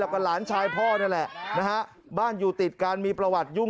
กับหลานชายพ่อนั่นแหละนะฮะบ้านอยู่ติดกันมีประวัติยุ่ง